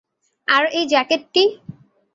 আর এই জ্যাকেটটি?